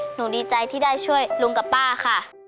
หนูดีใจที่ได้ช่วยลุงกับป้าค่ะ